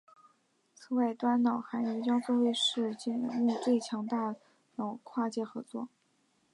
此外端脑还与江苏卫视节目最强大脑跨界合作。